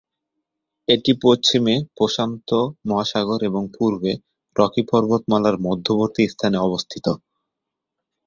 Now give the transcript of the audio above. এটি পশ্চিমে প্রশান্ত মহাসাগর এবং পূর্বে রকি পর্বতমালার মধ্যবর্তী স্থানে অবস্থিত।